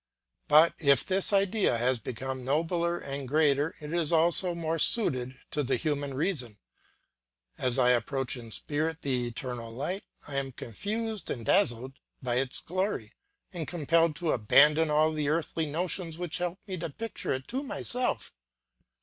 But if this idea has become nobler and greater it is also more suited to the human reason. As I approach in spirit the eternal light, I am confused and dazzled by its glory, and compelled to abandon all the earthly notions which helped me to picture it to myself.